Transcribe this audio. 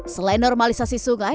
selain normalisasi sungai